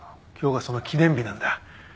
今日がその記念日なんだ。